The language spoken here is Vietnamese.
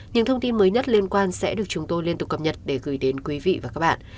những thông tin mới nhất liên quan sẽ được chúng tôi liên tục cập nhật để gửi đến quý vị và các bạn